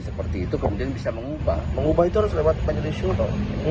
seperti itu kemudian bisa mengubah mengubah itu harus lewat pancasila